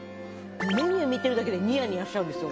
メニュー見てるだけでニヤニヤしちゃうんですよ